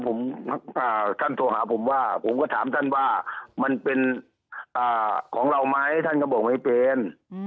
ผมท่านโทรหาผมว่าผมก็ถามท่านว่ามันเป็นของเราไหมท่านก็บอกไม่เป็น